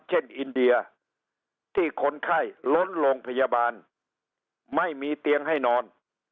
อินเดียที่คนไข้ล้นโรงพยาบาลไม่มีเตียงให้นอน